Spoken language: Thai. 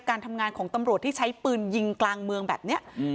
การทำงานของตำรวจที่ใช้ปืนยิงกลางเมืองแบบนี้